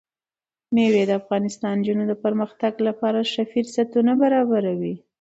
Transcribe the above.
مېوې د افغان نجونو د پرمختګ لپاره ښه فرصتونه برابروي.